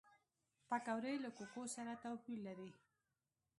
پکورې له کوکو سره توپیر لري